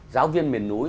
giáo viên miền núi